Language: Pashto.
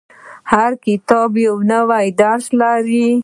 • هر کتاب یو نوی درس لري.